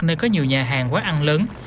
nơi có nhiều nhà hàng quán ăn lớn